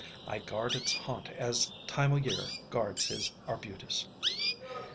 I guard its haunt as Time o' Year guards his Arbutus.